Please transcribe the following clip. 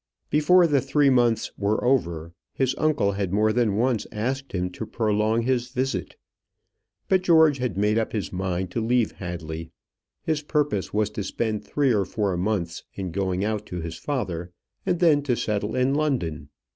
Before the three months were over, his uncle had more than once asked him to prolong his visit; but George had made up his mind to leave Hadley. His purpose was to spend three or four months in going out to his father, and then to settle in London.